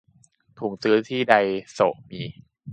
ถุงซื้อที่ไดโซะมี